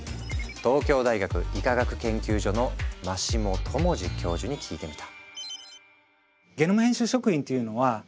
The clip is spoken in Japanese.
東京大学医科学研究所の真下知士教授に聞いてみた。